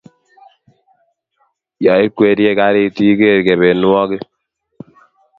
Yaikwerie karit, igeer kebenwogik